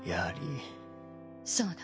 そうだ。